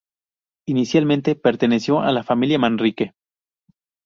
Inicialmente perteneció a la familia Manrique.